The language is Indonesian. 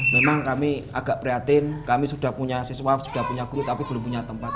memang kami agak prihatin kami sudah punya siswa sudah punya guru tapi belum punya tempat